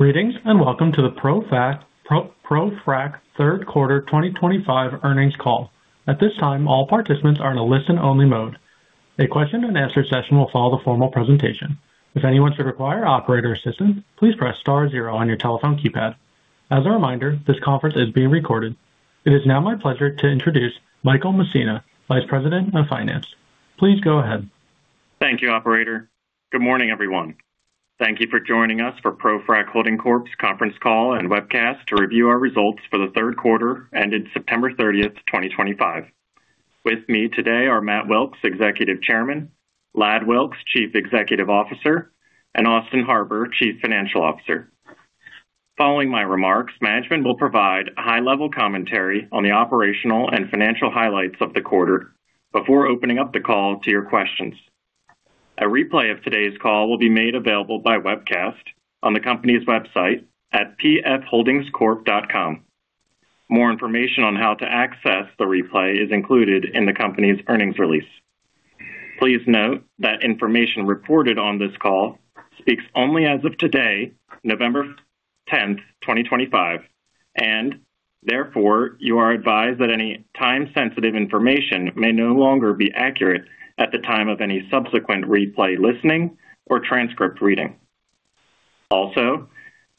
Greetings and welcome to the ProFrac third quarter 2025 earnings call. At this time, all participants are in a listen only mode. A question and answer session will follow the formal presentation. If anyone should require operator assistance, please press star zero on your telephone keypad. As a reminder, this conference is being recorded. It is now my pleasure to introduce Michael Messina, Vice President of Finance. Please go ahead. Thank you, operator. Good morning, everyone. Thank you for joining us for ProFrac Holding Corp's conference call and webcast to review our results for the third quarter ended September 30, 2025. With me today are Matt Wilks, Executive Chairman, Ladd Wilks, Chief Executive Officer, and Austin Harbour, Chief Financial Officer. Following my remarks, management will provide a high-level commentary on the operational and financial highlights of the quarter before opening up the call to your questions. A replay of today's call will be made available by webcast on the company's website at pfholdingscorp.com. More information on how to access the replay is included in the company's earnings release. Please note that information reported on this call speaks only as of today, November 10, 2025, and therefore you are advised that any time-sensitive information may no longer be accurate at the time of any subsequent replay, listening, or transcript reading. Also,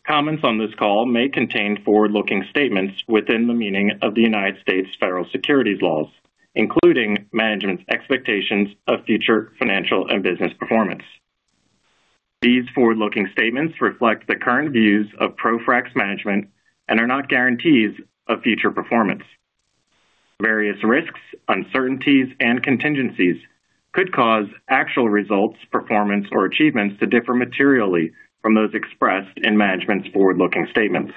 comments on this call may contain forward looking statements within the meaning of the United States federal securities laws, including management's expectations of future financial and business performance. These forward looking statements reflect the current views of ProFrac management and are not guarantees of future performance. Various risks, uncertainties and contingencies could cause actual results, performance or achievements to differ materially from those expressed in management's forward looking statements.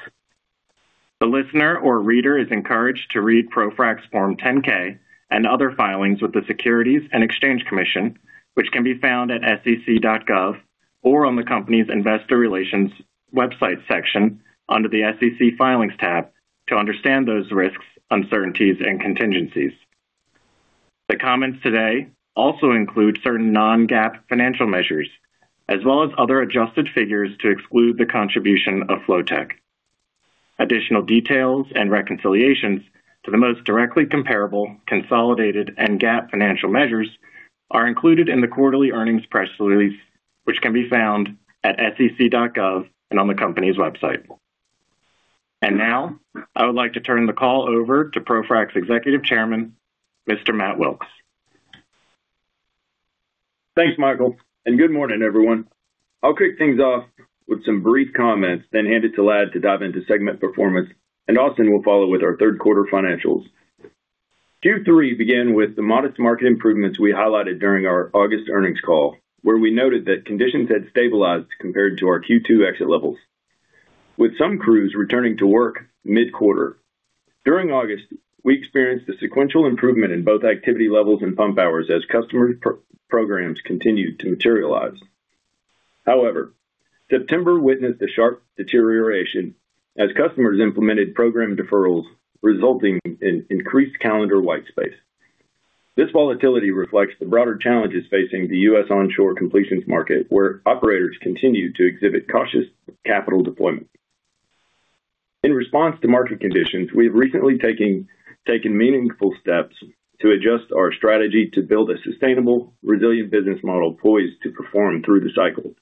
The listener or reader is encouraged to read ProFrac's Form 10-K and other filings with the U.S. Securities and Exchange Commission, which can be found at sec.gov or on the company's investor relations website section under the SEC Filings tab to understand those risks, uncertainties and contingencies. The comments today also include certain non-GAAP financial measures as well as other adjusted figures to exclude the contribution of Flotek. Additional details and reconciliations to the most directly comparable consolidated and GAAP financial measures are included in the quarterly earnings press release which can be found at sec.gov and on the Company's website. I would like to turn the call over to ProFrac's Executive Chairman, Mr. Matt Wilks. Thanks, Michael, and good morning, everyone. I'll kick things off with some brief. Comments, then hand it to Ladd to. Dive into segment performance and Austin will follow with our third quarter financials. Q3 began with the modest market improvements we highlighted during our August earnings call, where we noted that conditions had stabilized compared to our Q2 exit levels, with some crews returning to work mid quarter. During August, we experienced a sequential improvement in both activity levels and pump hours as. Customer programs continued to materialize. However, September witnessed a sharp deterioration as customers implemented program deferrals resulting in increased calendar white space. This volatility reflects the broader challenges facing the U.S. Onshore completions market where operators continue to exhibit cautious capital deployment in response to market conditions. We have recently taken meaningful steps to adjust our strategy to build a sustainable, resilient business model poised to perform through the cycle.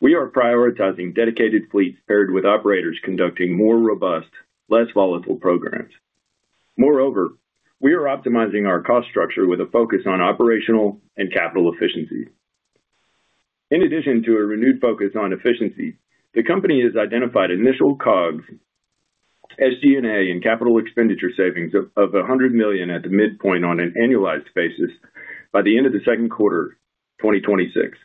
We are prioritizing dedicated fleets paired with operators conducting more robust, less volatile programs. Moreover, we are optimizing our cost structure with a focus on operational and capital efficiency. In addition to a renewed focus on efficiency, the company has identified initial COGS, SG&A and capital expenditure savings of $100.Million at the midpoint on an annualized. Basis by the end of the second quarter 2026.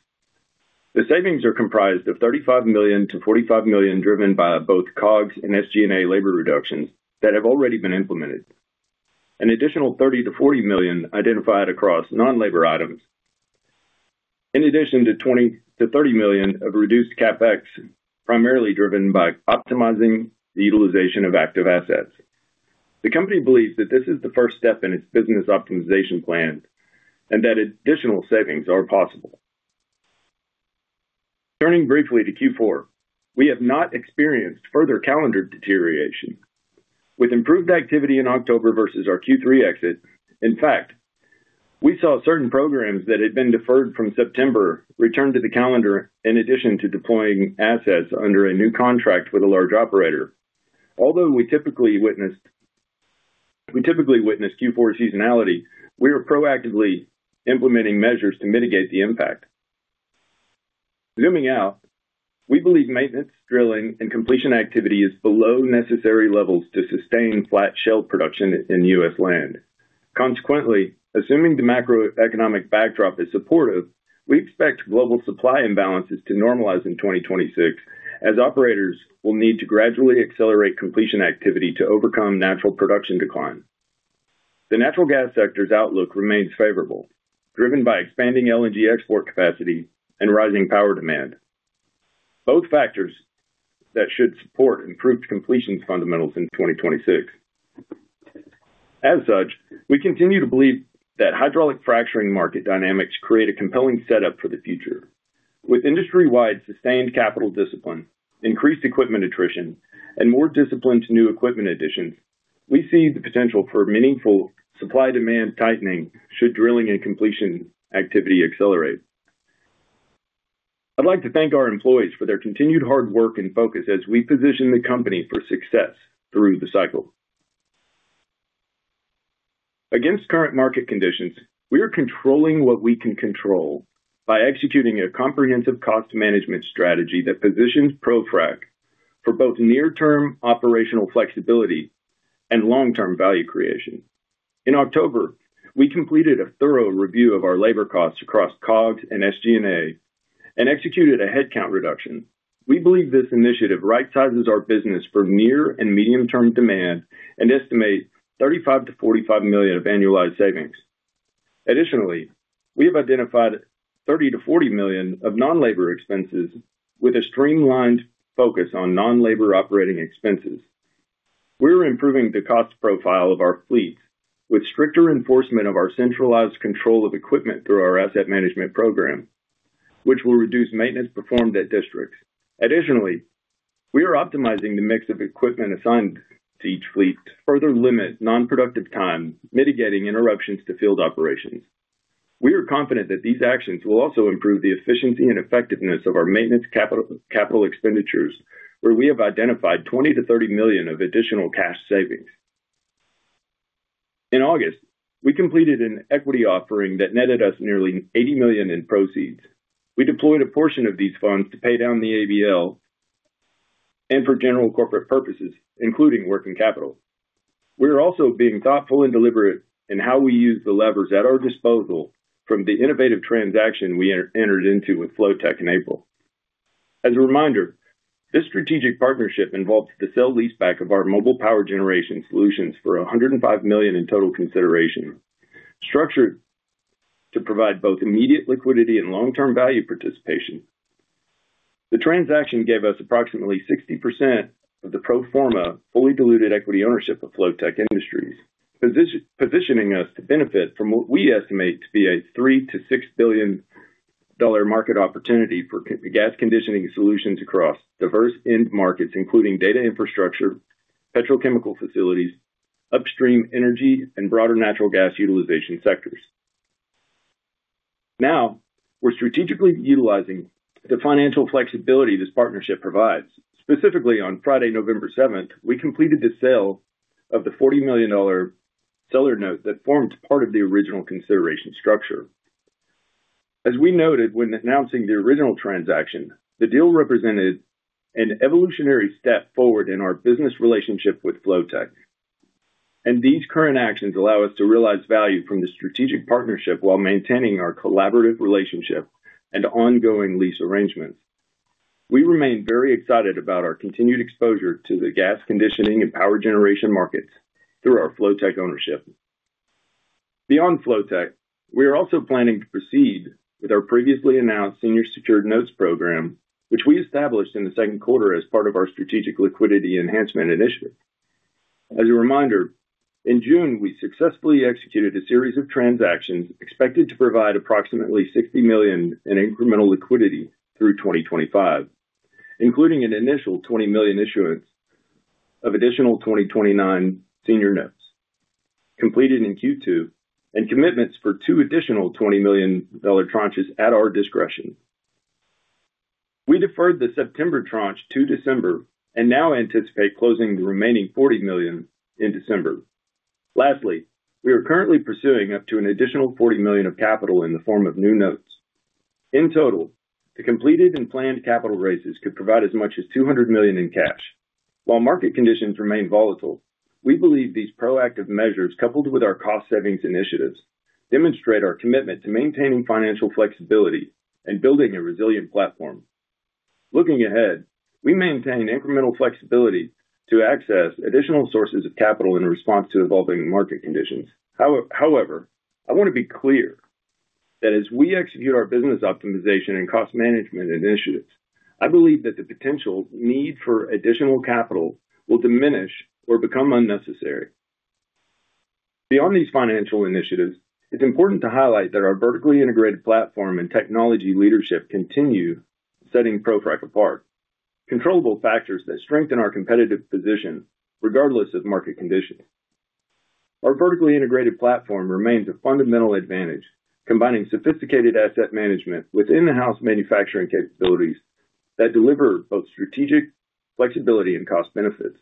The savings are comprised of $35 million-$45 million driven by both COGS and SG&A labor reductions that have already been implemented. An additional $30 million-$40 million identified across non-labor items in addition to $20 million-$30 million of reduced CapEx, primarily driven by optimizing the utilization of active assets. The Company believes that this is the first step in its business optimization plan and that additional savings are possible. Turning briefly to Q4, we have not experienced further calendar deterioration with improved activity in October versus our Q3 exit. In fact, we saw certain programs that had been deferred from September return to the calendar in addition to deploying assets under a new contract with a large operator. Although we typically witnessed Q4 seasonality, we were proactively implementing measures to mitigate the impact. Zooming out, we believe maintenance, drilling and completion activity is below necessary levels to sustain flat shale production in U.S. Land. Consequently, assuming the macroeconomic backdrop is supportive, we expect global supply imbalances to normalize in 2026 as operators will need to gradually accelerate completion activity to overcome natural production decline. The natural gas sector's outlook remains favorable, driven by expanding LNG export capacity and rising power demand, both factors that should support improved completions fundamentals in 2026. As such, we continue to believe that hydraulic fracturing market dynamics create a compelling setup for the future. With industrywide sustained capital discipline, increased equipment attrition, and more discipline to new equipment additions, we see the potential for meaningful supply-demand tightening should drilling and completion activity accelerate. I'd like to thank our employees for their continued hard work and focus as we position the company for success through the cycle. Against current market conditions. We are controlling what we can control by executing a comprehensive cost management strategy that positions ProFrac for both near term operational flexibility and long term value creation. In October we completed a thorough review of our labor costs across COGS and SG&A and executed a headcount reduction. We believe this initiative right-sizes our business for near and medium term demand and estimate $35 million-$45 million of annualized savings. Additionally, we have identified $30 million-$40 million of non-labor expenses with a streamlined focus on non-labor operating expenses. We're improving the cost profile of our fleet with stricter enforcement of our centralized control of equipment through our asset management program which will reduce maintenance performed at districts. Additionally, we are optimizing the mix of equipment assigned to each fleet to further limit non-productive time, mitigating interruptions to field operations. We are confident that these actions will also improve the efficiency and effectiveness of our maintenance capital expenditures where we have identified $20 million-$30 million of additional cash savings. In August we completed an equity offering that netted us nearly $80 million in proceeds. We deployed a portion of these funds to pay down the ABL and for general corporate purposes including working capital. We are also being thoughtful and deliberate in how we use the levers at our disposal from the innovative transaction we entered into with Flotek in April. As a reminder, this strategic partnership involves the sale leaseback of our mobile power generation solutions for $105 million in total consideration. Structured to provide both immediate liquidity and long term value participation, the transaction gave us approximately 60% of the pro forma fully diluted equity ownership of Flotek Industries, positioning us to benefit from what we estimate to be a $3 billion-$6 billion market opportunity for gas conditioning solutions across diverse end markets including data infrastructure, petrochemical facilities, upstream energy and broader natural gas utilization sectors. Now we're strategically utilizing the financial flexibility this partnership provides. Specifically, on Friday, November 7th, we completed the sale of the $40 million seller note that formed part of the original consideration structure. As we noted when announcing the original transaction, the deal represented an evolutionary step forward in our business relationship with Flotek and these current actions allow us to realize value from the strategic partnership while maintaining our collaborative relationship and ongoing lease arrangements. We remain very excited about our continued exposure to the gas conditioning and power generation markets through our Flotek ownership. Beyond Flotek, we are also planning to proceed with our previously announced Senior Secured Notes program, which we established in the second quarter as part of our Strategic Liquidity Enhancement Initiative. As a reminder, in June we successfully executed a series of transactions expected to provide approximately $60 million in incremental liquidity through 2025, including an initial $20 million, issuance of additional 2029 Senior Notes completed in Q2 and commitments for two additional $20 million tranches at our discretion. We deferred the September tranche to December and now anticipate closing the remaining $40 million in December. Lastly, we are currently pursuing up to an additional $40 million of capital in the form of new notes. In total, the completed and planned capital raises could provide as much as $200 million in cash while market conditions remain volatile. We believe these proactive measures, coupled with our cost savings initiatives, demonstrate our commitment to maintaining financial flexibility and building a resilient platform. Looking ahead, we maintain incremental flexibility to access additional sources of capital in response to evolving market conditions. However, I want to be clear that as we execute our business optimization and cost management initiatives, I believe that the potential need for additional capital will diminish or become unnecessary. Beyond these financial initiatives, it's important to highlight that our vertically integrated platform and technology leadership continue setting ProFrac apart, controllable factors that strengthen our competitive position regardless of market conditions. Our vertically integrated platform remains a fundamental advantage, combining sophisticated asset management with in house manufacturing capabilities that deliver both strategic flexibility and cost benefits.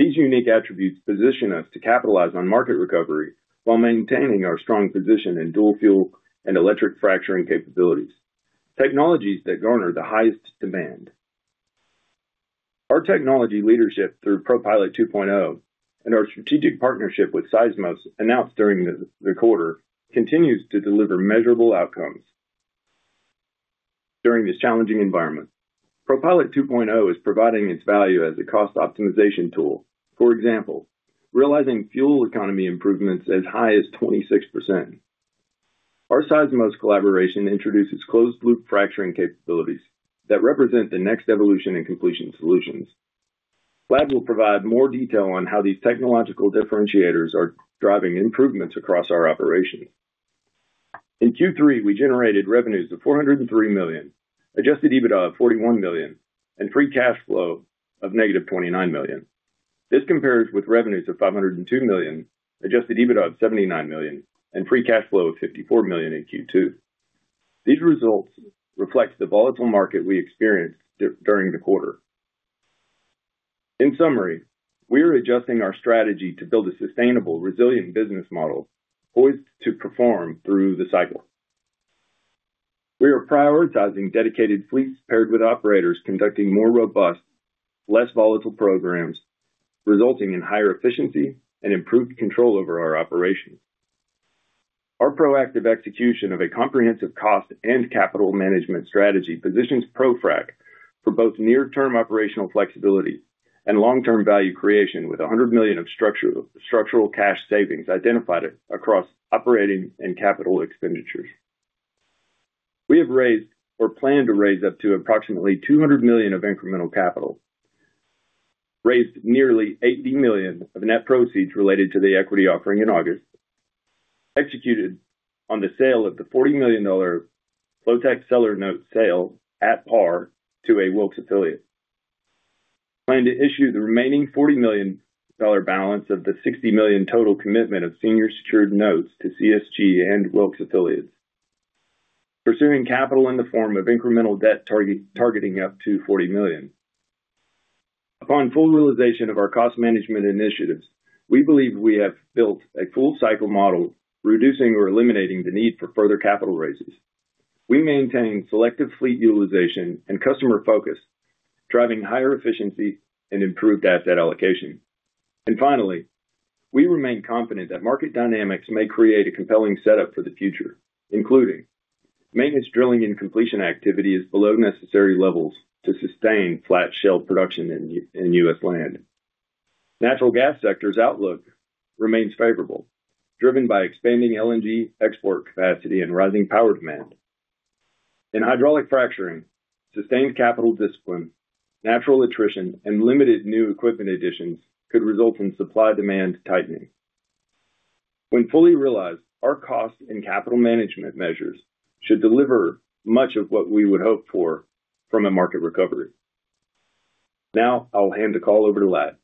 These unique attributes position us to capitalize on market recovery while maintaining our strong position in dual fuel and electric fracturing capabilities, technologies that garner the highest demand. Our technology leadership through ProPilot 2.0 and our strategic partnership with Seismos announced during the quarter continues to deliver measurable outcomes during this challenging environment. ProPilot 2.0 is providing its value as a cost optimization tool, for example, realizing fuel economy improvements as high as 26%. Our Seismos collaboration introduces closed loop fracturing capabilities that represent the next evolution in completion solutions. Vlad will provide more detail on how these technological differentiators are driving improvements across our operations. In Q3, we generated revenues of $403 million, Adjusted EBITDA of $41 million and free cash flow of -$29 million. This compares with revenues of $502 million, Adjusted EBITDA of $79 million and free. Cash flow of $54 million in Q2.hese results reflect the volatile market we experienced during the quarter. In summary, we are adjusting our strategy to build a sustainable, resilient business model poised to perform through the cycle. We are prioritizing dedicated fleets paired with operators conducting more robust, less volatile programs resulting in higher efficiency and improved control over our operations. Our proactive execution of a comprehensive cost and capital management strategy positions ProFrac for both near term operational flexibility and long term value creation. With $100 million of structural cash savings identified across operating and capital expenditures, we have raised or plan to raise up to approximately $200 million of incremental capital. Raised nearly $80 million of net proceeds related to the equity offering in August executed on the sale of the $40 million Flotek seller note sale at par to a Wilkes affiliate. Plan to issue the remaining $40 million balance of the $60 million total commitment of senior secured notes to CSG and Wilkes affiliates pursuing capital in the form of incremental debt targeting up to $40 million. Upon full realization of our cost management initiatives, we believe we have built a full cycle model reducing or eliminating the need for further capital raises. We maintain selective fleet utilization and customer focus, driving higher efficiency and improved asset allocation. We remain confident that market dynamics may create a compelling setup for the future, including maintenance, drilling and completion. Activity is below necessary levels to sustain flat shale production in U.S. Land. Natural gas sector's outlook remains favorable, driven by expanding LNG export capacity and rising power demand in hydraulic fracturing. Sustained capital discipline, natural attrition, and limited new equipment additions could result in supply-demand tightening. When fully realized, our cost and capital management measures should deliver much of what we would hope for from a market recovery. Now I'll hand the call over to Ladd.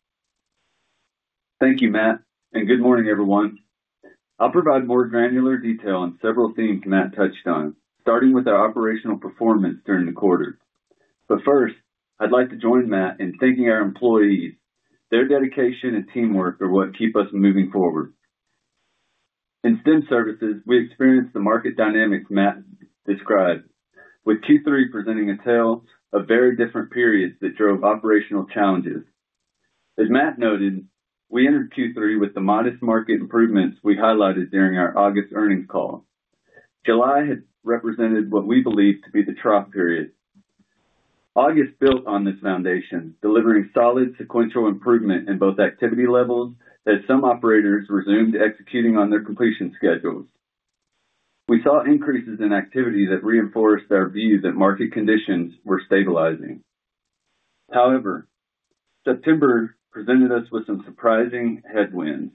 Thank you Matt and good morning everyone. I'll provide more granular detail on several themes Matt touched on, starting with our operational performance during the quarter. First, I'd like to join Matt in thanking our employees. Their dedication and teamwork are what keep us moving forward. In Stimulation services, we experienced the market dynamics Matt described, with Q3 presenting a tale of very different periods that drove operational challenges. As Matt noted, we entered Q3 with the modest market improvements we highlighted during our August earnings call. July had represented what we believe to be the trough period. August built on this foundation, delivering solid sequential improvement in both activity levels as some operators resumed executing on their completion schedules. We saw increases in activity that reinforced our view that market conditions were stabilizing. However, September presented us with some surprising headwinds.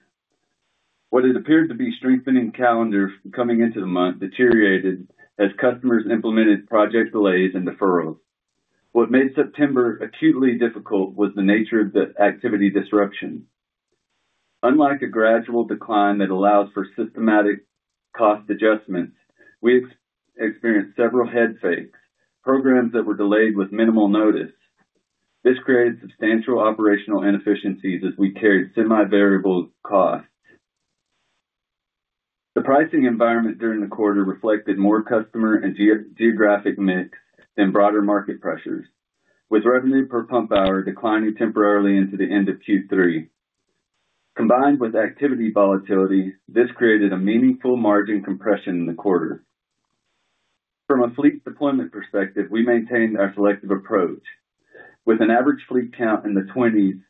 What had appeared to be a strengthening calendar coming into the month deteriorated as customers implemented project delays and deferrals. What made September acutely difficult was the nature of the activity disruption. Unlike a gradual decline that allows for systematic cost adjustments, we experienced several head fakes, programs that were delayed with minimal notice. This created substantial operational inefficiencies as we carried semi-variable costs. The pricing environment during the quarter reflected more customer and geographic mix and broader market pressures, with revenue per pump hour declining temporarily into the end of Q3. Combined with activity volatility, this created a meaningful margin compression in the quarter. From a fleet deployment perspective, we maintained our selective approach with an average fleet count in the 20s,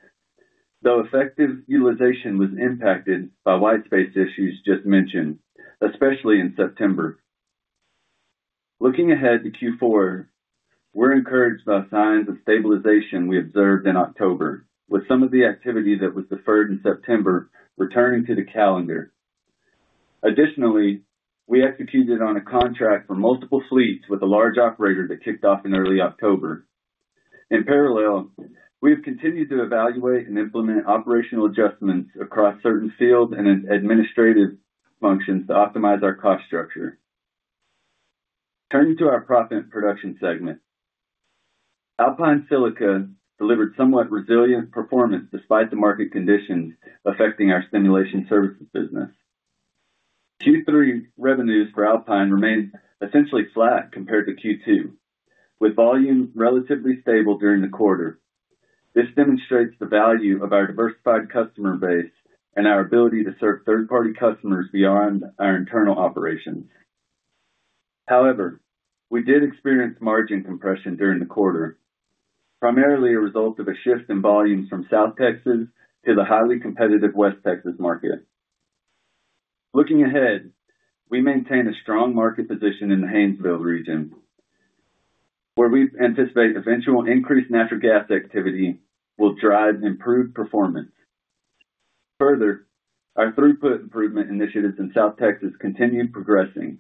though effective utilization was impacted by wide space issues just mentioned, especially in September. Looking ahead to Q4, we're encouraged by signs of stabilization we observed in October, with some of the activity that was deferred in September returning to the calendar. Additionally, we executed on a contract for multiple fleets with a large operator that kicked off in early October. In parallel, we have continued to evaluate and implement operational adjustments across certain fields and administrative functions to optimize our cost structure. Turning to our proppant production segment, Alpine Silica delivered somewhat resilient performance despite the market conditions affecting our stimulation services. Business Q3 revenues for Alpine remained essentially flat compared to Q2, with volume relatively stable during the quarter. This demonstrates the value of our diversified customer base and our ability to serve third party customers beyond our internal operations. However, we did experience margin compression during the quarter, primarily a result of a shift in volumes from South Texas to the highly competitive West Texas market. Looking ahead, we maintain a strong market position in the Haynesville region where we anticipate eventual increased natural gas activity will drive improved performance. Further, our throughput improvement initiatives in South Texas continue progressing,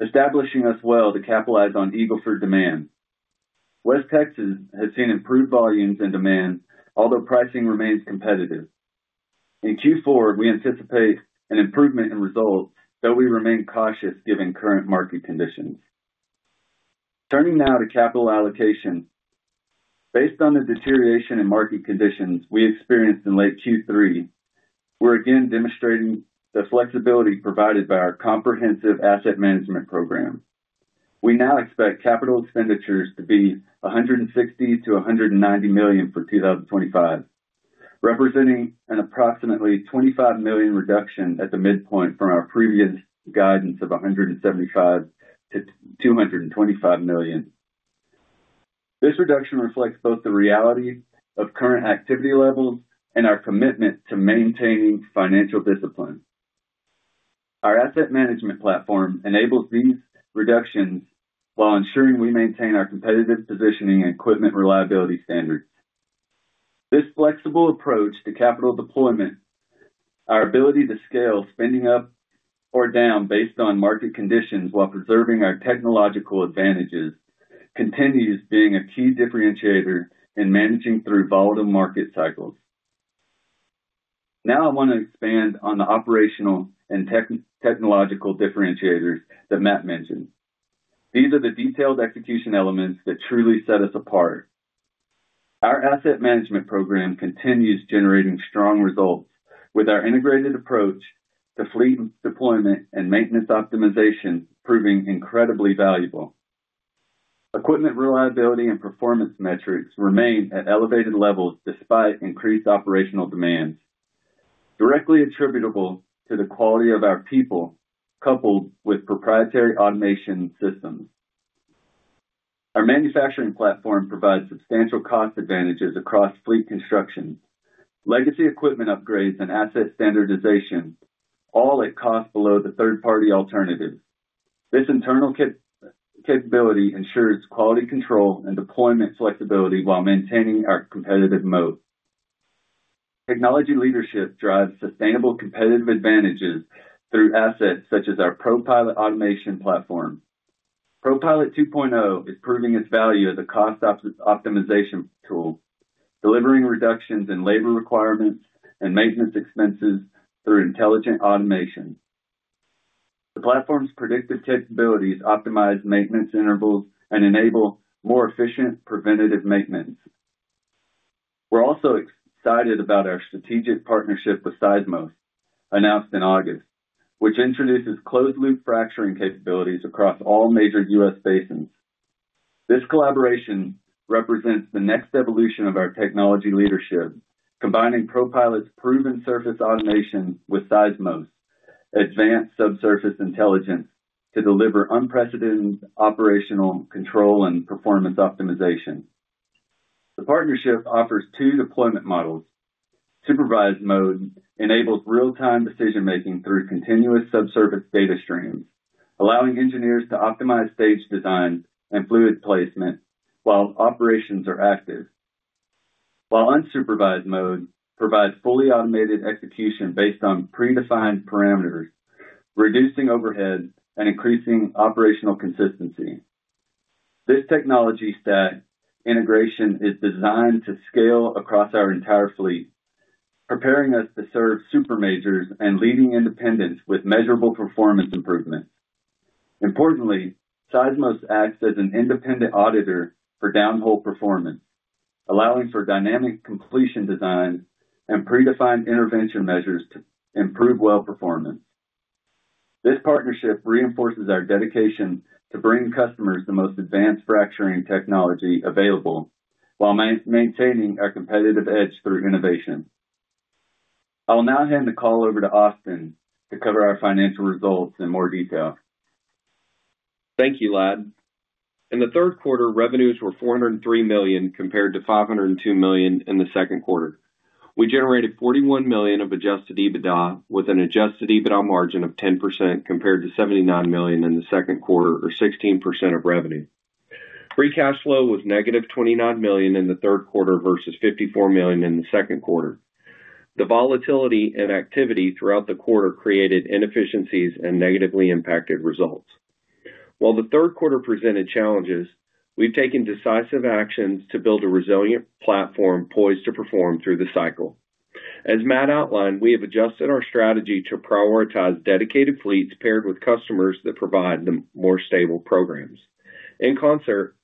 establishing us well to capitalize on Eagle Ford demand. West Texas has seen improved volumes and demand. Although pricing remains competitive in Q4, we anticipate an improvement in results, though we remain cautious given current market conditions. Turning now to capital allocation, based on the deterioration in market conditions we experienced in late Q3, we're again demonstrating the flexibility provided by our comprehensive asset management program. We now expect capital expenditures to be $160 million-$190 million for 2025, representing an approximately $25 million reduction at the midpoint from our previous guidance of $175 million-$225 million. This reduction reflects both the reality of current activity levels and our commitment to maintaining financial discipline. Our asset management platform enables these reductions while ensuring we maintain our competitive positioning and equipment reliability standards. This flexible approach to capital deployment, our ability to scale spending up or down based on market conditions while preserving our technological advantages, continues being a key differentiator in managing through volatile market cycles. Now I want to expand on the operational and technological differentiators that Matt mentioned. These are the detailed execution elements that truly set us apart. Our asset management program continues generating strong results, with our integrated approach to fleet deployment and maintenance optimization proving incredibly valuable. Equipment reliability and performance metrics remain at elevated levels despite increased operational demands directly attributable to the quality of our people. Coupled with proprietary automation systems, our manufacturing platform provides substantial cost advantages across fleet construction, legacy equipment upgrades, and asset standardization, all at cost below the third party alternative. This internal capability ensures quality control and deployment flexibility while maintaining our competitive moat. Technology leadership drives sustainable competitive advantages through assets such as our ProPilot automation platform. ProPilot 2.0 is proving its value as a cost optimization tool, delivering reductions in labor requirements and maintenance expenses through intelligent automation. The platform's predictive capabilities optimize maintenance intervals and enable more efficient preventative maintenance. We're also excited about our strategic partnership with Seismos, announced in August, which introduces closed-loop fracturing capabilities across all major U.S. basins. This collaboration represents the next evolution of our technology leadership, combining ProPilot's proven surface automation with Seismos advanced subsurface intelligence to deliver unprecedented operational control and performance optimization. The partnership offers two deployment models. Supervised mode enables real time decision making through continuous subsurface data streams, allowing engineers to optimize stage design and fluid placement while operations are active, while unsupervised mode provides fully automated execution based on predefined parameters, reducing overhead and increasing operational consistency. This technology stack integration is designed to scale across our entire fleet, preparing us to serve super majors and leading independents with measurable performance improvements. Importantly, Seismos acts as an independent auditor for downhole performance, allowing for dynamic completion design and predefined intervention measures to improve well performance. This partnership reinforces our dedication to bring customers the most advanced fracturing technology available while maintaining our competitive edge through innovation. I will now hand the call over to Austin to cover our financial results in more detail. Thank you, Ladd. In the third quarter, revenues were $403 million compared to $502 million in the second quarter. We generated $41 million of Adjusted EBITDA with an Adjusted EBITDA margin of 10% compared to $79 million in the second quarter or 16% of revenue. Free cash flow was -$29 million in the third quarter versus $54 million in the second quarter. The volatility in activity throughout the quarter created inefficiencies and negatively impacted results. While the third quarter presented challenges, we've taken decisive actions to build a resilient platform poised to perform through the cycle. As Matt outlined, we have adjusted our strategy to prioritize dedicated fleets paired with customers that provide the more stable programs. In concert,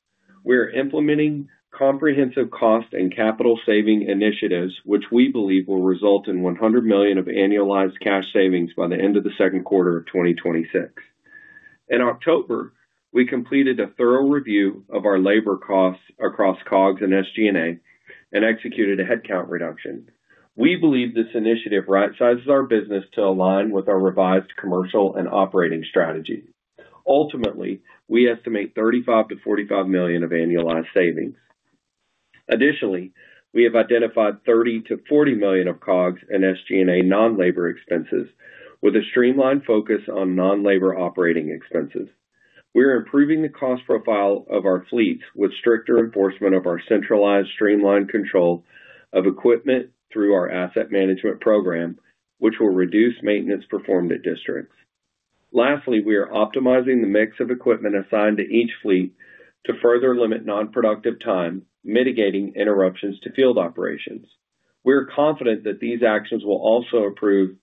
we are implementing comprehensive cost and capital saving initiatives which we believe will result in $100 million of annualized cash savings by the end of the second quarter of 2026. In October, we completed a thorough review of our labor costs across COGS and SG&A and executed a headcount reduction. We believe this initiative right sizes our business to align with our revised commercial and operating strategies. Ultimately, we estimate $35 million-$45 million of annualized savings. Additionally, we have identified $30 million-$40 million of COGS and SG&A non-labor expenses with a streamlined focus on non-labor operating expenses. We are improving the cost profile of our fleets with stricter enforcement of our centralized streamlined control of equipment through our asset management program, which will reduce maintenance performed at districts. Lastly, we are optimizing the mix of equipment assigned to each fleet to further limit nonproductive time, mitigating interruptions to field operations. We are confident that these actions will also improve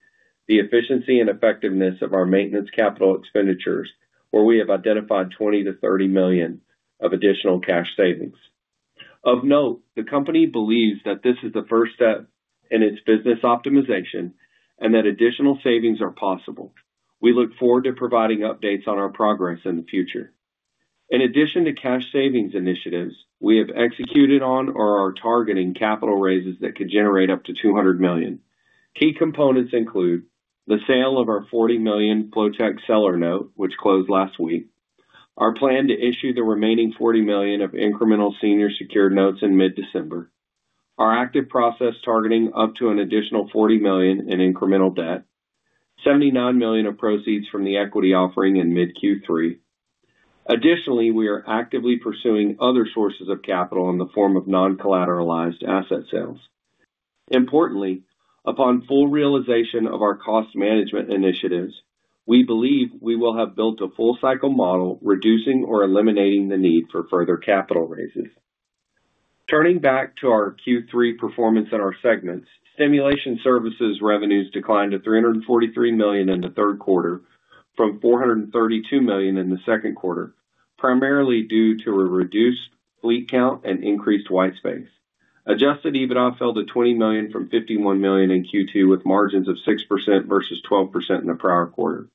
the efficiency and effectiveness of our maintenance capital expenditures, where we have identified $20 million-$30 million of additional cash savings. Of note, the Company believes that this is the first step in its business optimization and that additional savings are possible. We look forward to providing updates on our progress in the future. In addition to cash savings initiatives, we have executed on or are targeting capital raises that could generate up to $200 million. Key components include the sale of our $40 million FlowCheck seller note which closed last week, our plan to issue the remaining $40 million of incremental senior secured notes in mid December, our active process targeting up to an additional $40 million in incremental debt, $79 million of proceeds from the equity offering in mid Q3. Additionally, we are actively pursuing other sources of capital in the form of non collateralized asset sales. Importantly, upon full realization of our cost management initiatives, we believe we will have built a full cycle model reducing or eliminating the need for further capital raises. Turning back to our Q3 performance in our segments, Stimulation services revenues declined to $343 million in the third quarter from $432 million in the second quarter primarily due to a reduced fleet count and increased white space. Adjusted EBITDA fell to $20 million from $51 million in Q2 with margins of 6% versus 12% in the prior quarter.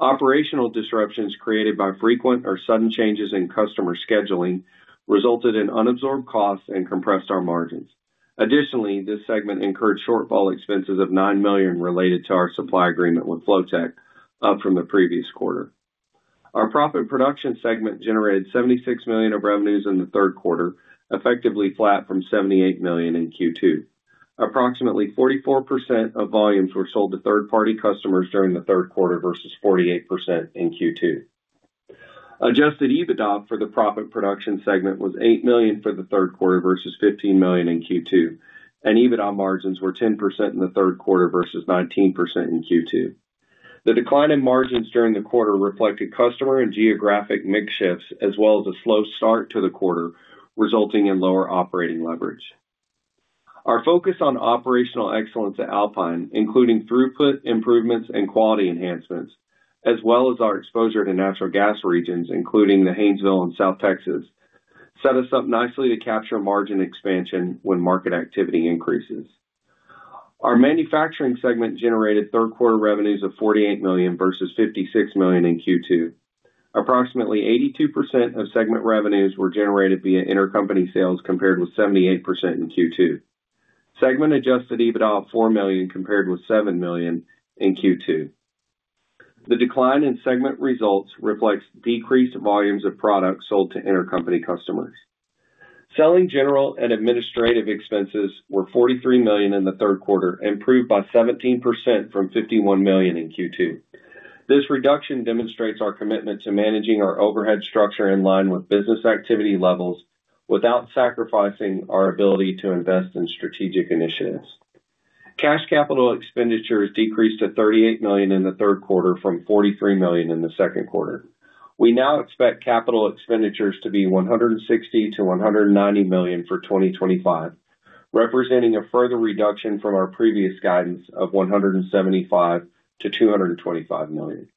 Operational disruptions created by frequent or sudden changes in customer scheduling resulted in unabsorbed costs and compressed our margins. Additionally, this segment incurred shortfall expenses of $9 million related to our supply agreement with Flotek. Up from the previous quarter, our proppant production segment generated $76 million of revenues in the third quarter, effectively flat from $78 million in Q2. Approximately 44% of volumes were sold to third-party customers during the third quarter versus 48% in Q2. Adjusted EBITDA for the proppant production segment was $8 million for the third quarter versus $15 million in Q2, and EBITDA margins were 10% in the third quarter versus 19% in Q2. The decline in margins during the quarter reflected customer and geographic mix shifts as well as a slow start to the quarter resulting in lower operating leverage. Our focus on operational excellence at Alpine, including throughput improvements and quality enhancements, as well as our exposure to natural gas regions including the Haynesville and South Texas set us up nicely to capture margin expansion when market activity increases. Our Manufacturing segment generated third quarter revenues of $48 million versus $56 million in Q2. Approximately 82% of segment revenues were generated via intercompany sales compared with 78% in Q2. Segment adjusted EBITDA of $4 million compared with $7 million in Q2. The decline in segment results reflects decreased volumes of products sold to intercompany customers. Selling, general and administrative expenses were $43 million in the third quarter, improved by 17% from $51 million in Q2. This reduction demonstrates our commitment to managing our overhead structure in line with business activity levels without sacrificing our ability to invest in strategic initiatives. Cash capital expenditures decreased to $38 million in the third quarter from $43 million in the second quarter. We now expect capital expenditures to be $160 million-$190 million for 2025, representing a further reduction from our previous guidance of $175 million-$225 million.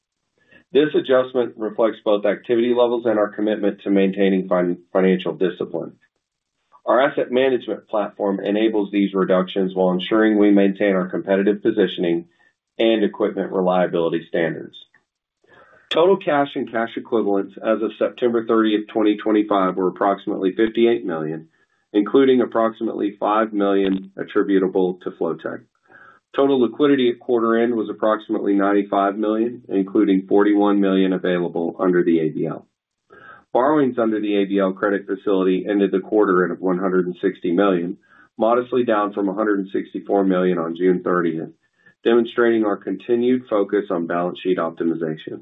This adjustment reflects both activity levels and our commitment to maintaining financial discipline. Our asset management platform enables these reductions while ensuring we maintain our competitive positioning and equipment reliability standards. Total cash and cash equivalents as of September 30, 2025 were approximately $58 million, including approximately $5 million attributable to Flotek. Total liquidity at quarter end was approximately $95 million, including $41 million available under the ADL. Borrowings under the ABL credit facility ended the quarter at $160 million, modestly down from $164 million on June 30th, demonstrating our continued focus on balance sheet optimization.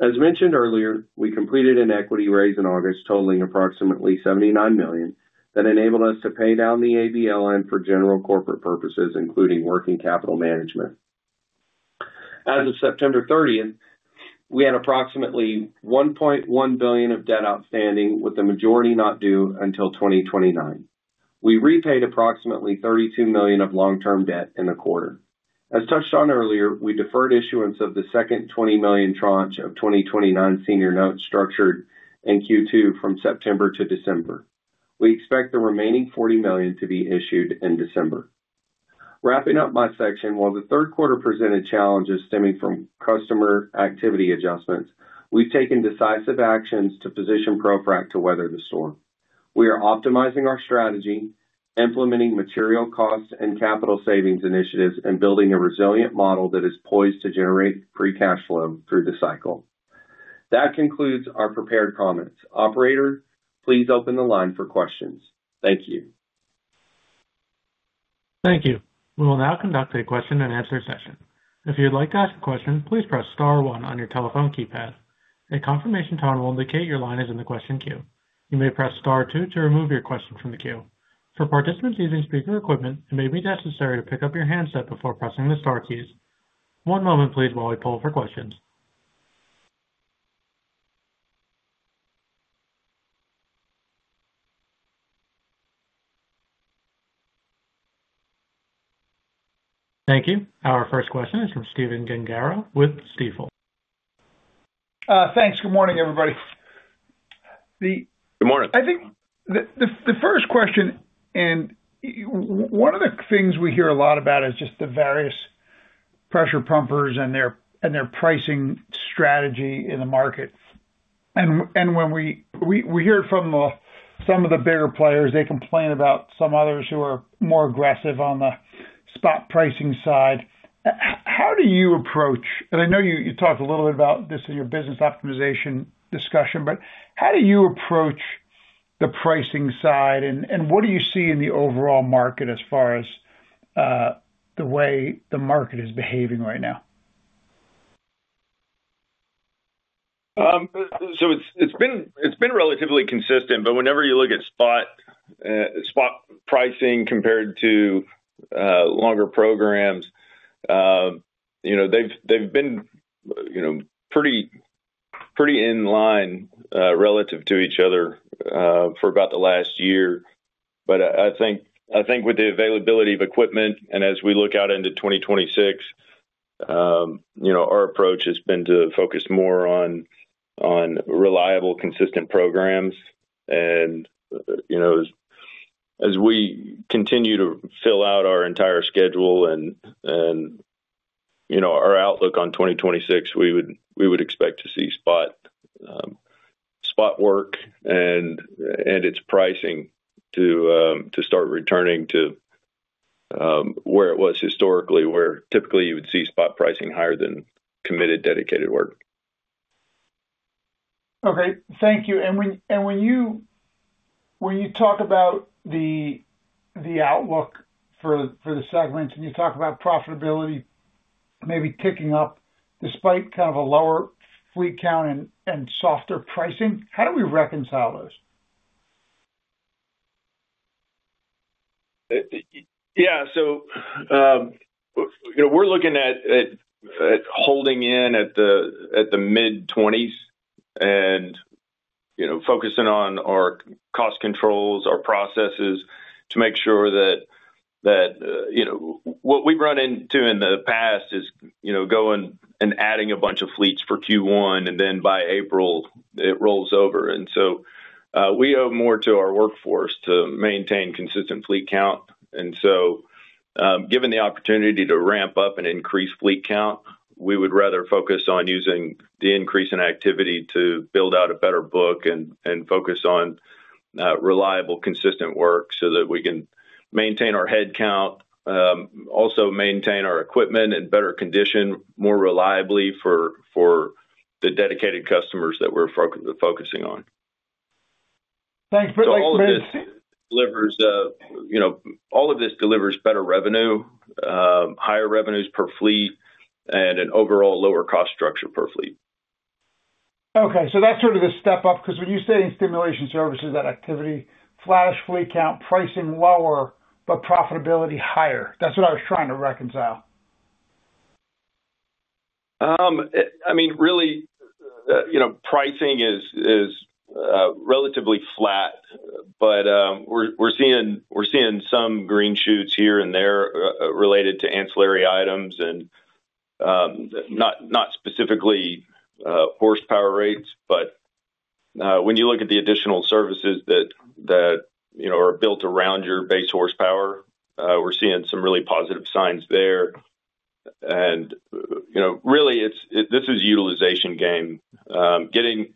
As mentioned earlier, we completed an equity raise in August totaling approximately $79 million that enabled us to pay down the ABL credit facility for general corporate purposes, including working capital management. As of September 30th, we had approximately $1.1 billion of debt outstanding, with the majority not due until 2029. We repaid approximately $32 million of long term debt in the quarter. As touched on earlier, we deferred issuance of the second $20 million tranche of 2029 senior notes structured in Q2 from September to December. We expect the remaining $40 million to be issued in December. Wrapping up my section, while the third quarter presented challenges stemming from customer activity adjustments, we've taken decisive actions to position ProFrac to weather the storm. We are optimizing our strategy, implementing material cost and capital savings initiatives, and building a resilient model that is poised to generate free cash flow through the cycle. That concludes our prepared comments. Operator, please open the line for questions. Thank you. Thank you. We will now conduct a question and answer session. If you would like to ask a question, please press star one on your telephone keypad. A confirmation tone will indicate your line is in the question queue. You may press star two to remove your question from the queue. For participants using speaker equipment, it may be necessary to pick up your handset before pressing the star keys. One moment please, while we poll for questions. Thank you. Our first question is from Stephen Gengaro with Stifel. Thanks. Good morning, everybody. Good morning. I think the first question and one of the things we hear a lot about is just the various pressure pumpers and their pricing strategy in the market. When we hear it from some of the bigger players, they complain about some others who are more aggressive on the spot pricing side. How do you approach, and I know. You talked a little bit about this. In your business optimization discussion, how do you approach the pricing side and what do you see in the overall market as far as the way the. Market is behaving right now? It's been relatively consistent. Whenever you look at spot pricing compared to longer programs. They've been pretty in line relative to each other for about the last year. I think with the availability of equipment and as we look out into 2026, you know, our approach has been to focus more on reliable, consistent programs. You know, as we continue to fill out our entire schedule and, you know, our outlook on 2026, we would expect to see spot, spot work and its pricing to start returning to where it was historically, where typically you would see spot pricing higher than committed, dedicated work. Okay, thank you. When you talk about the outlook for the segments and you talk about profitability maybe ticking up despite kind of a lower fleet count and softer pricing, how do we reconcile those? Yeah, so you know, we're looking at holding in at the, at the mid-20s and, you know, focusing on our cost controls, our processes, to make sure that, you know, what we've run into in the past is, you know, going and adding a bunch of fleets for Q1, and then by April, it rolls over. We owe more to our workforce to maintain consistent fleet count. Given the opportunity to ramp up and increase fleet count, we would rather focus on using the increase in activity to build out a better book and focus on reliable, consistent work so that we can maintain our headcount, also maintain our equipment in better condition more reliably for the dedicated customers that we're focused on focusing. You know, all of this delivers better revenue, higher revenues per fleet, and an overall lower cost structure per fleet. Okay. That's sort of the step up because when you say in stimulation services, that activity flattish, fleet count, pricing lower, but profitability higher. That's what I was trying to reconcile. I mean, really, you know, pricing is relatively flat, but we're seeing some green shoots here and there related to ancillary items and not specifically horsepower rates. When you look at the additional services that are built around your base horsepower, we're seeing some really positive signs there. Really, this is a utilization game. Getting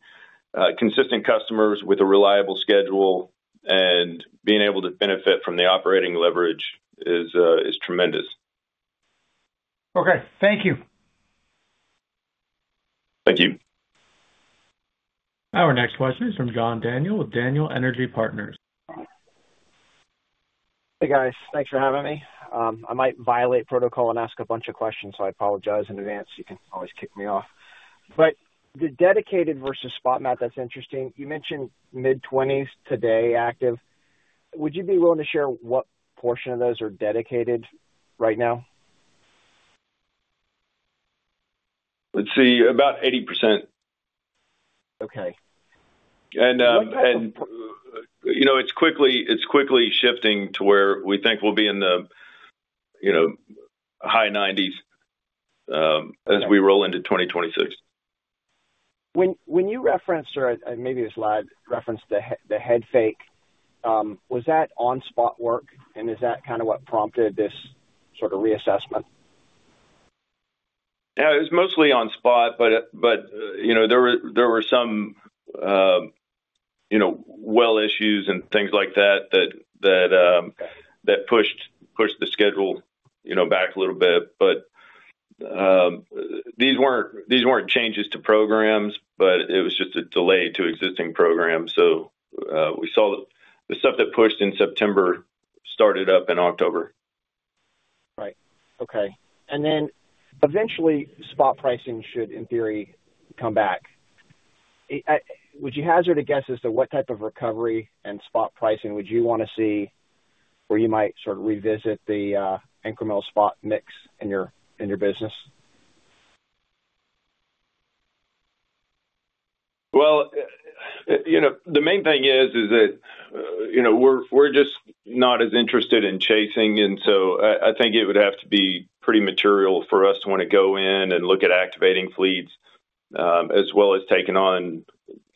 consistent customers with a reliable schedule and being able to benefit from the operating leverage is tremendous. Okay, thank you. Thank you. Our next question is from John Daniel with Daniel Energy Partners. Hey, guys, thanks for having me. I might violate protocol and ask a bunch of questions, so I apologize in advance. You can always kick me off. The dedicated versus spot map, that's interesting. You mentioned mid-20s today, active. Would you be willing to share what? Portion of those are dedicated right now? Let's see, about 80%. Okay. You know, it's quickly shifting to where we think we'll be in the high 90s as we roll into 2026. When you referenced, or maybe this Ladd referenced the head fake, was that on spot work and is that kind of what prompted this sort of reassessment? Yeah, it was mostly on spot, but, you know, there were some, you know, issues and things like that that pushed the schedule back a little bit. But. These weren't changes to programs, but it was just a delay to existing programs. We saw the stuff that pushed in September started up in October. Right, okay. Eventually spot pricing should, in theory, come back. Would you hazard a guess as to what type of recovery in spot pricing would you want to see where you might sort of revisit the incremental spot mix in your? In your business? You know, the main thing is, is that, you know, we're. We're just not as interested in chasing. I think it would have to be pretty material for us to want to go in and look at activating fleets as well as taking on,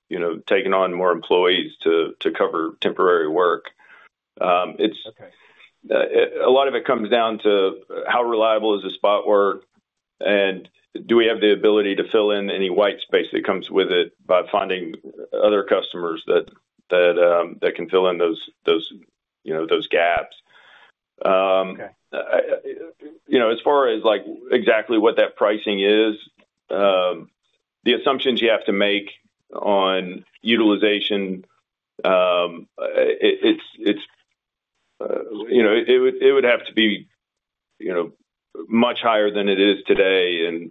you know, taking on more employees to cover temporary work. It comes down to how reliable is the spot work, and do we have the ability to fill in any white space that comes with it by finding other customers that can fill in those gaps? As far as exactly what that pricing is, the assumptions you have to make on utilization, you know, it would have to be, you know, much higher than it is today.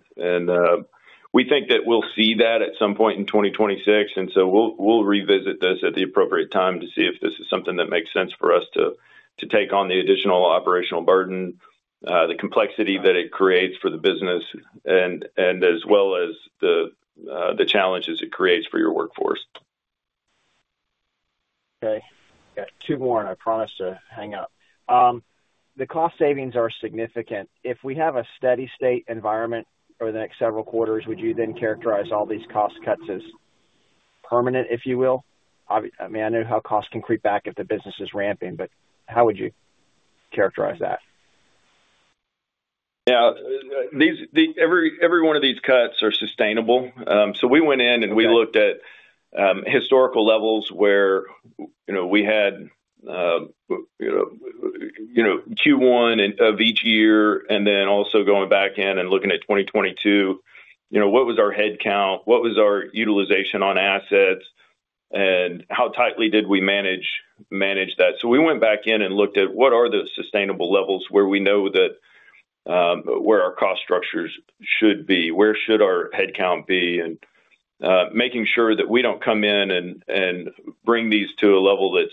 We think that we'll see that at some point in 2026. We'll revisit this at the appropriate time to see if this is something that makes sense for us to take on the additional operational burden, the complexity that it creates for the business, as well as the challenges it creates for your workforce. Okay, got two more, and I promise to hang up. The cost savings are significant if we have a steady state environment over the next several quarters. Would you then characterize all these cost cuts as permanent, if you will? I mean, I know how costs can creep back if the business is ramping. How would you characterize that? Yeah, every one of these cuts are sustainable. We went in and we looked at historical levels where we had Q1 of each year, and then also going back in and looking at 2022, what was our headcount, what was our utilization on assets, and how tightly did we manage that? We went back in and looked at what are the sustainable levels, where we know that, where our cost structures should be, where should our headcount be, and making sure that we do not come in and bring these to a level that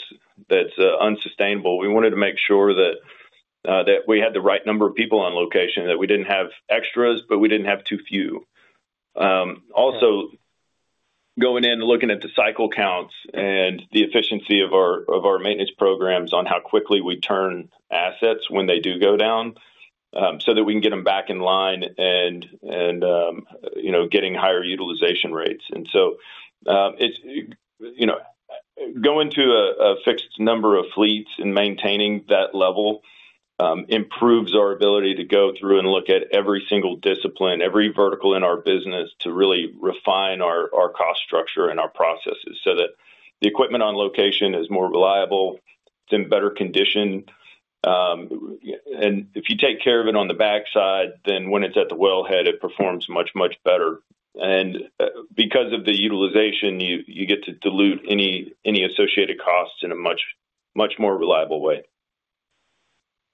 is unsustainable. We wanted to make sure that we had the right number of people on location, that we did not have extras, but we did not have too few. Also going in, looking at the cycle counts and the efficiency of our maintenance programs, on how quickly we turn assets when they do go down so that we can get them back in line and, you know, getting higher utilization rates. It is, you know, going to a fixed number of fleets and maintaining that level improves our ability to go through and look at every single discipline, every vertical in our business to really refine our cost structure and our processes so that the equipment on location is more reliable. It is in better condition. If you take care of it on the backside, then when it is at the wellhead, it performs much, much better. Because of the utilization, you get to dilute any associated costs in a much more reliable way.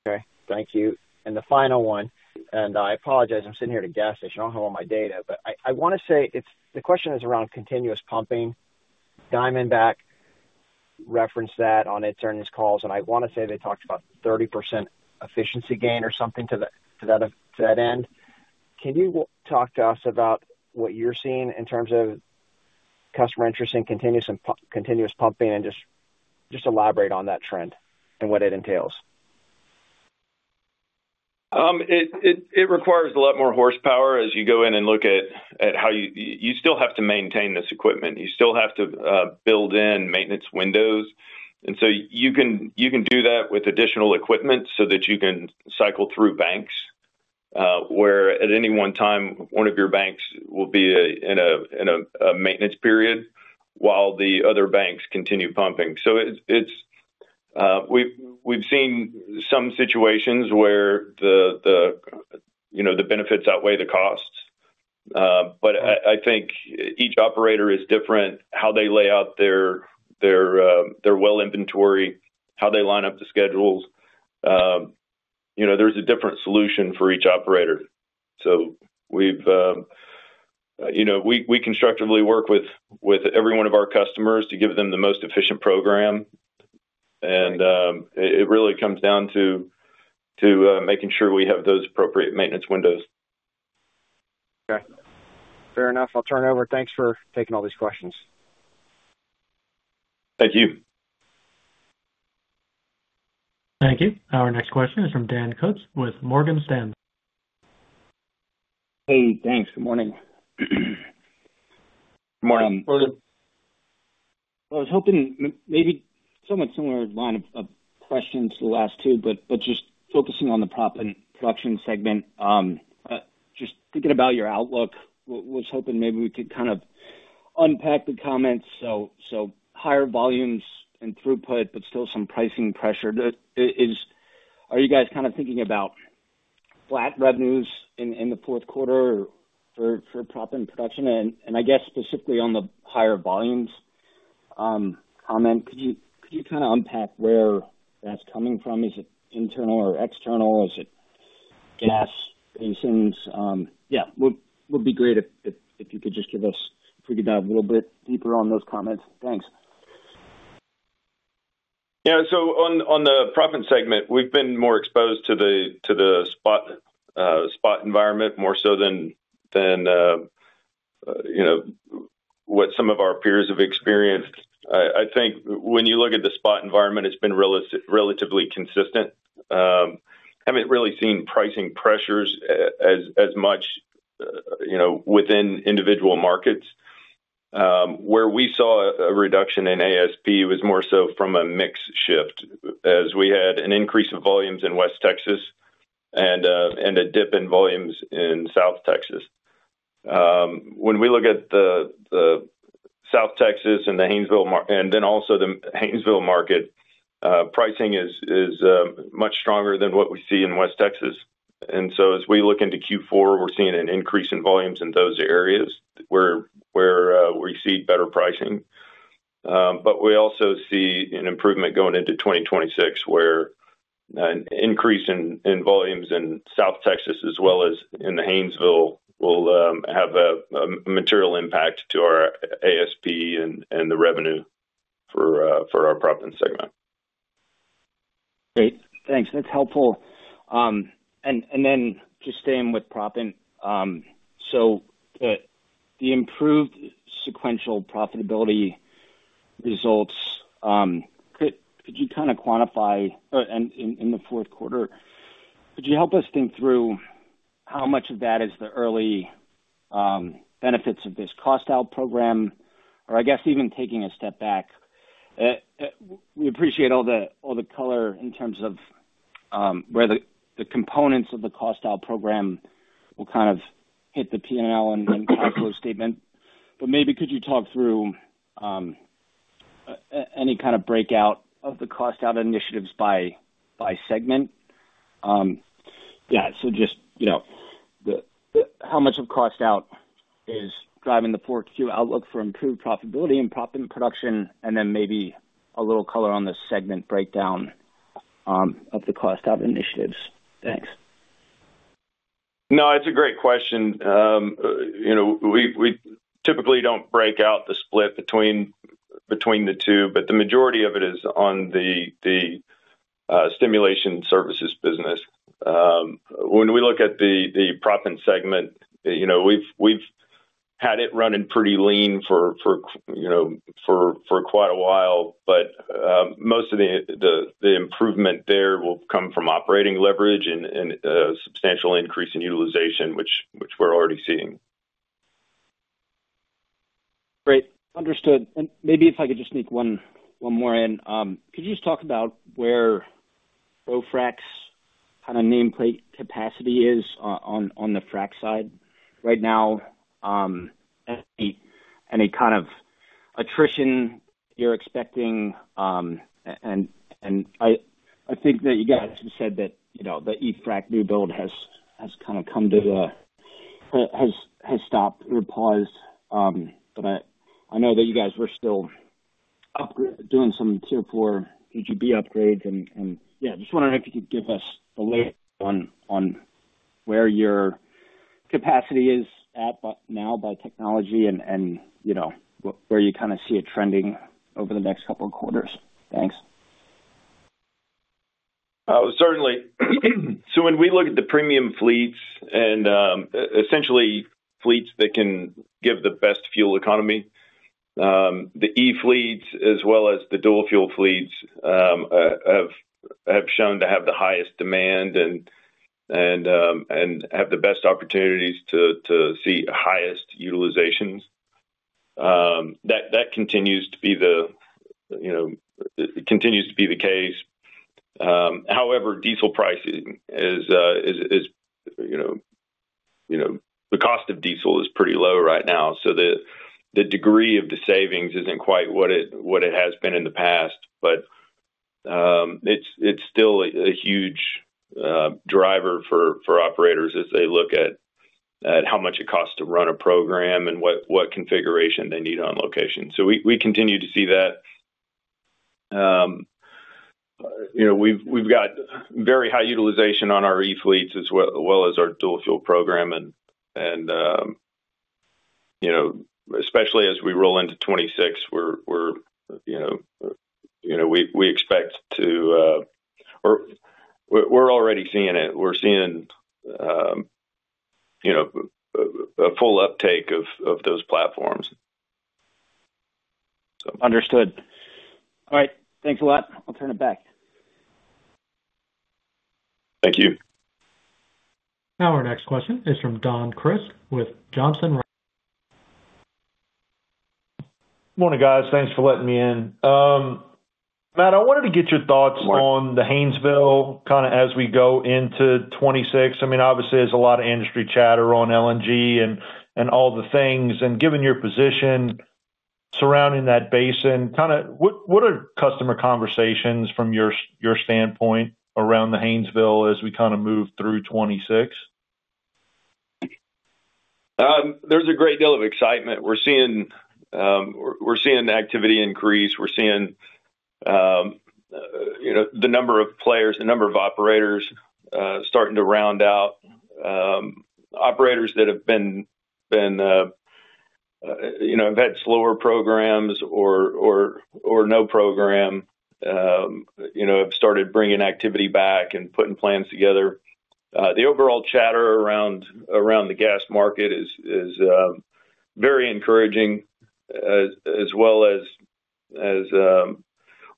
Okay, thank you. The final one, and I apologize, I'm sitting here at a gas station. I don't have all my data, but I want to say the question is around continuous pumping. Diamondback referenced that on its earnings calls, and I want to say they talked about 30% efficiency gain or something to that end. Can you talk to us about what you're seeing in terms of customer interest and continuous pumping and just elaborate on that trend and what it entails? It requires a lot more horsepower as you go in and look at how you still have to maintain this equipment. You still have to build in maintenance windows. You can do that with additional equipment so that you can cycle through banks where at any one time one of your banks will be in a maintenance period while the other banks continue pumping so we've seen some situations where the benefits outweigh the costs. I think each operator is different. How they lay out their well inventory, how they line up the schedules, you know, there's a different solution for each operator. We've, you know, we constructively work with every one of our customers to give them the most efficient program. It really comes down to making sure we have those appropriate maintenance windows. Okay, fair enough. I'll turn over. Thanks for taking all these questions. Thank you. Thank you. Our next question is from Dan Kutz with Morgan Stanley. Hey, thanks. Good morning. Good morning. I was hoping maybe somewhat similar line of questions to the last two, but just focusing on the proppant production segment, just thinking about your outlook, was hoping maybe we could kind of unpack the comments. Higher volumes and throughput, but still some pricing pressure. Are you guys kind of thinking about flat revenues in the fourth quarter for proppant production? I guess specifically on the higher volumes comment, could you kind of unpack where that's coming from? Is it internal or external? Is it gas basins? Yeah, would be great if you could just give us, if we could dive a little bit deeper on those comments. Thanks. Yeah. On the proppant segment, we've been more exposed to the spot environment, more so than, you know, what some of our peers have experienced. I think when you look at the spot environment, it's been relatively consistent. Haven't really seen pricing pressures as much, you know, within individual markets where we saw a reduction in ASP was more so from a mix shift as we had an increase of volumes in West Texas and a dip in volumes in South Texas. When we look at the South Texas and the Haynesville and then also the Haynesville market, pricing is much stronger than what we see in West Texas. As we look into Q4, we're seeing an increase in volumes in those areas where we see better pricing. We also see an improvement going into 2026 where an increase in volumes in South Texas as well as in the Haynesville will have a material impact to our ASP and the revenue for our proppant segment. Great, thanks. That's helpful. Just staying with proppant, the improved sequential profitability results, could you kind of quantify in the fourth quarter? Could you help us think through how much of that is the early benefits of this cost out program? I guess even taking a step back, we appreciate all the color in terms of where the components of the cost out program will kind of hit the P and L and cash flow statement, but maybe could you talk through any kind of breakout of the cost out initiatives by segment? Yeah. Just, you know, how much of cost out is driving the 4Q outlook for improved profitability and proppant production, and then maybe a little color on the segment breakdown of the cost out initiatives. Thanks. No, it's a great question. You know, we typically don't break out the split between the two, but the majority of it is on the stimulation services business. When we look at the proppant segment, you know, we've had it running pretty lean for, you know, for quite a while, but most of the improvement there will come from operating leverage and substantial. Increase in utilization, which we're already seeing. Great. Understood. Maybe if I could just sneak one more in. Could you just talk about where ProFrac's kind of nameplate capacity is on the Frac side right now? Any kind of attrition you're expecting? I think that you guys have said that the E-Frac new build has kind of come to, has stopped or paused, but I know that you guys were still doing some tier 4 PGB upgrades. Yeah, just wondering if you could give us the latest on where your capacity is at now by technology and where you kind of see it trending over. The next couple of quarters. Thanks. Certainly. When we look at the premium fleets and essentially fleets that can give the best fuel economy, the E fleets as well as the dual fuel fleets have shown to have the highest demand and have the best opportunities to see highest utilizations. That continues to be the case. However, diesel pricing is, you know, the cost of diesel is pretty low right now, so the degree of the savings isn't quite what it has been in the past, but it's still a huge driver for operators as they look at how much it costs to run a program and what configuration they need on location. We continue to see that. You know, we've got very high utilization on our E fleets as well as our dual fuel program. You know, especially as we roll into 2026, we're, you know, we expect to, or we're already seeing it, we're seeing you know, a full uptake of those platforms. Understood. All right, thanks a lot. I'll turn it back. Thank you. Now our next question is from Don Crist with Johnson. Morning, guys. Thanks for letting me in. Matt, I wanted to get your thoughts. On the Haynesville kind of as we go into 2026. I mean, obviously there's a lot of industry chatter on LNG and all the things. And given your position surrounding that basin, kind of what are customer conversations from your standpoint around the Haynesville as we kind of move through 2026. There's a great deal of excitement. We're seeing activity increase. We're seeing. The number of players, the. Number of operators starting to round out. Operators that have been you know had slower programs or no program, you know, have started bringing activity back and putting plans together. The overall chatter around the gas market is very encouraging as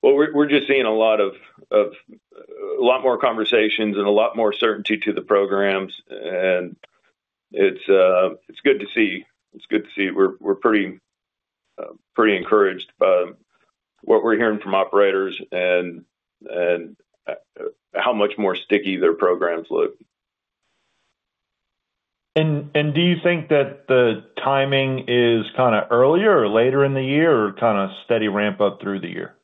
well. We're just seeing a lot more conversations and a lot more certainty to the programs. It's good to see, it's good to see. We're pretty encouraged by what we're hearing from operators and how much more sticky their programs look. Do you think that the timing is kind of earlier or later in the year or kind of steady ramp? Up through the year?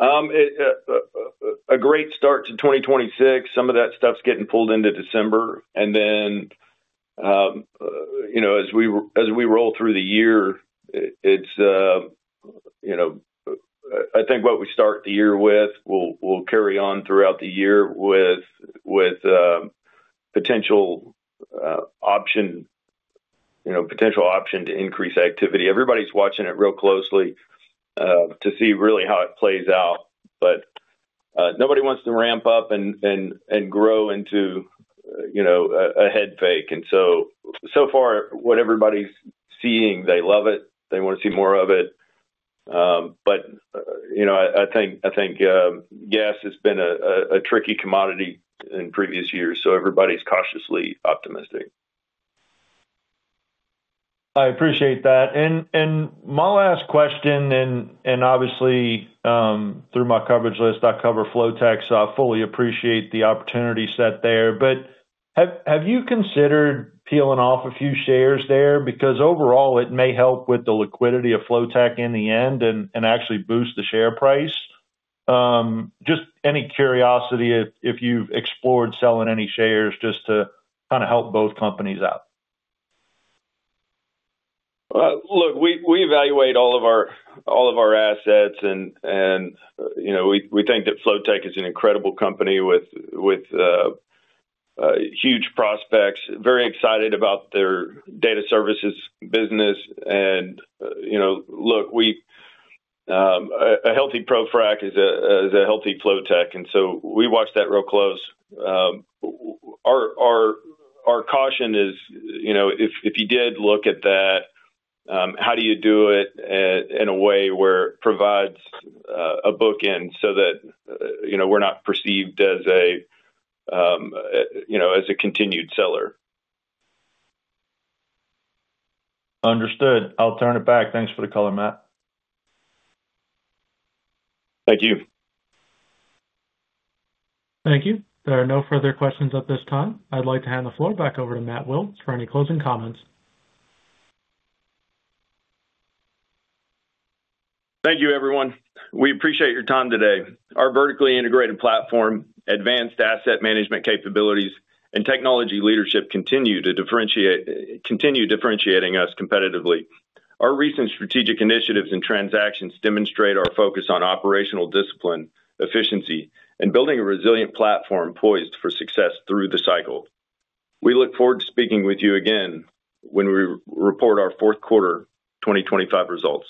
A great start to 2026. Some of that stuff's getting pulled into December and then. You know, as we roll through the year, it's, you know, I think what we start the year with will carry on throughout the year with potential option, you know, potential option to increase activity. Everybody's watching it real closely to see really how it plays out, but nobody wants to ramp up and grow into, you know, a head fake. So far, what everybody's seeing, they love it. They want to see more of it. But you know, I think gas has been a tricky commodity in previous years. Everybody's cautiously optimistic. I appreciate that. My last question, and obviously through my coverage list, I cover Flotek, so I fully appreciate the opportunity set there. Have you considered peeling off a few shares there? Because overall it may help with the liquidity of Flotek in the end and actually boost the share price. Just any curiosity if you've explored selling any shares just to kind of help both companies out? Look, we evaluate all of our assets and we think that Flotek is an incredible company with huge prospects, very excited about their data services business. You know, look, a healthy ProFrac is a healthy Flotek. We watch that real close. Our caution is, you know, if you did look at that, how do you do it in a way where it provides a bookend so that, you know, we're not perceived as a, you know as a continued seller. Understood. I'll turn it back. Thanks for the color, Matt. Thank you. Thank you. There are no further questions at this time. I'd like to hand the floor back over to Matt Wilks for any closing comments. Thank you, everyone. We appreciate your time. Today. Our vertically integrated platform, advanced asset management capabilities, and technology leadership continue differentiating us competitively. Our recent strategic initiatives and transactions demonstrate this our focus on operational discipline, efficiency, and Building a resilient platform poised for success through the cycle. We look forward to speaking with you again when we report our fourth quarter 2025 results.